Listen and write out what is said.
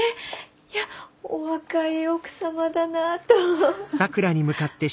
いやお若い奥様だなあと。